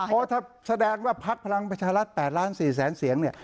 เพราะถ้าแสดงว่าพักพลังประชารัฐ๘ล้าน๔แสนเสียงเนี่ย